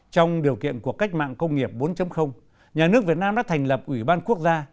trong điều kiện của cách mạng công nghiệp bốn nhà nước việt nam đã thành lập ủy ban quốc gia